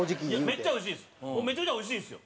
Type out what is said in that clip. めっちゃ美味しいです。